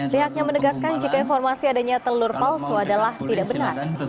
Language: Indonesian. pihaknya menegaskan jika informasi adanya telur palsu adalah tidak benar